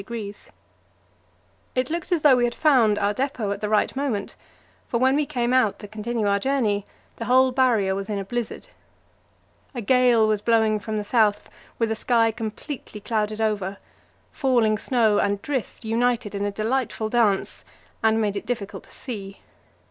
It looked as though we had found our depot at the right moment, for when we came out to continue our journey the whole Barrier was in a blizzard. A gale was blowing from the south, with a sky completely clouded over; falling snow and drift united in a delightful dance, and made it difficult to see.